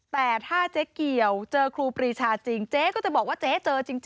แต่ถ้าเจ๊เกี่ยวเจอครูปรีชาจริงเจ๊ก็จะบอกว่าเจ๊เจอจริง